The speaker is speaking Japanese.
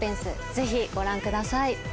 ぜひご覧ください。